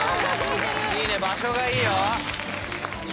いいね場所がいいよ